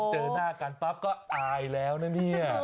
เจอหน้ากันปั๊บก็อายแล้วนะเนี่ย